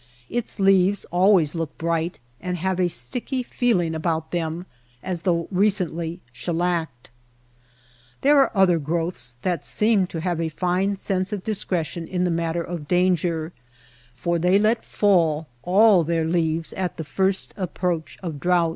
Its leaves always look bright and have a sticky feeling about them as though recently shellacked. There are other growths that seem to have a fine sense of discretion in the matter of danger, for they let fall all their leaves at the first ap proach of drouth.